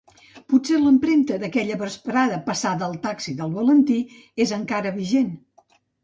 Potser l'empremta d'aquella vesprada passada al taxi del Valentí és encara vigent.